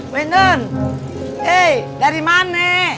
wendon dari mana